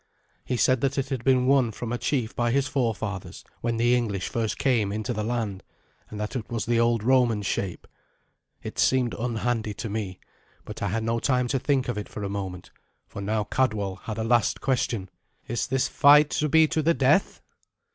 He said that it had been won from a chief by his forefathers when the English first came into the land, and that it was the old Roman shape. It seemed unhandy to me, but I had no time to think of it for a moment, for now Cadwal had a last question. "Is this fight to be to the death?"